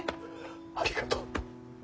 ありがとう。